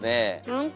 ほんと？